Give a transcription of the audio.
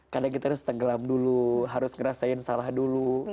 kadang kita harus tenggelam dulu harus merasakan kesalahan dulu